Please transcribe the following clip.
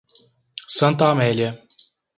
Santa Amélia